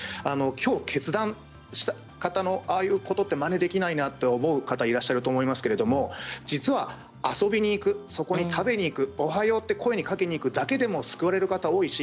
きょう決断した方のああいうことはまねできないと思う方いらっしゃるかもしれませんが実は遊びに行くそこに食べに行くおはようと声をかけに行くだけでも救われる方は多いし